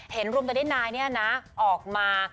เหลือวงตัวติดนายออกมา